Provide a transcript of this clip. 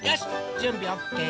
じゅんびオッケー！